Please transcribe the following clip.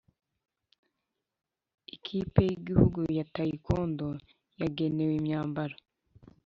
Ikipe y’Igihugu ya tayikondo yagenewe imyambaro